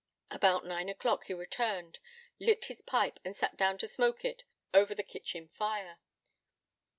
About nine o'clock he returned, lit his pipe, and sat down to smoke it over the kitchen fire.